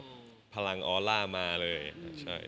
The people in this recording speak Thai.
แบบพลังออร่ามาเลย